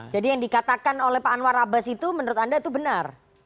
jadi yang dikatakan oleh pak anwar abbas itu menurut anda itu benar